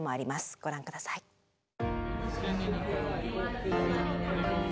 ご覧ください。